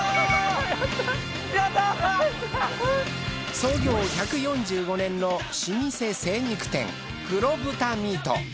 創業１４５年の老舗精肉店黒豚ミート。